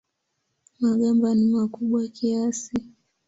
Magamba ni makubwa kiasi.